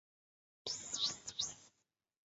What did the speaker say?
罗斯托克城市快铁连接罗斯托克市区和港区。